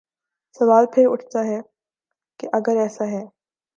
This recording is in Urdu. سوال پھر اٹھتا ہے کہ اگر ایسا ہے۔